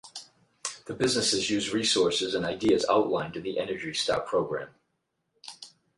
The businesses use resources and ideas outlined in the Energy Star program.